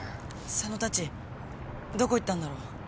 佐野たちどこ行ったんだろう。